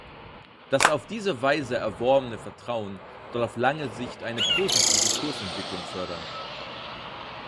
Das auf diese Weise erworbene Vertrauen soll auf lange Sicht eine positive Kursentwicklung fördern.